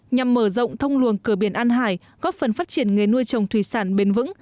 nhằm mở rộng thông luồng cửa biển an hải góp phần phát triển nghề nuôi trồng thủy sản bền vững